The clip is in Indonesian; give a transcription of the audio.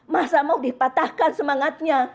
masa mau dipatahkan semangatnya